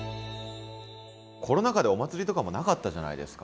コロナ禍でお祭りとかもなかったじゃないですか。